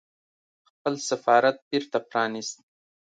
خپل سفارت بېرته پرانيست